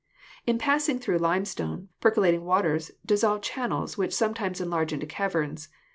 In passing through limestone, percolating waters dis solve channels which sometimes enlarge into caverns.